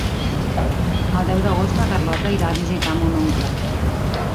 El deu d'agost na Carlota irà a visitar mon oncle.